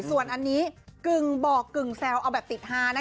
ส่วนอันนี้กึ่งบอกกึ่งแซวเอาแบบติดฮานะคะ